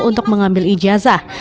untuk mengambil ijazah